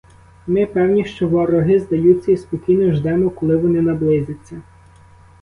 Ми певні, що вороги здаються, і спокійно ждемо, коли вони наблизяться.